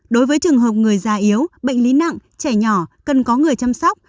đối với trường hợp người già yếu bệnh lý nặng trẻ nhỏ cần có người chăm sóc